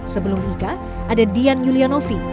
sebelum ika ada dian yulianovi